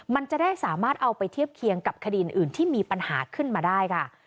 มันจะได้สามารถเอาไปเทียบเคียงกับคดีอื่นที่มีปัญหาขึ้นมาได้ค่ะ